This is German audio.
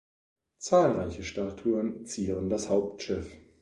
Zahlreiche Statuen zieren das Hauptschiff.